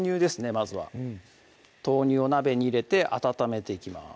まずはうん豆乳を鍋に入れて温めていきます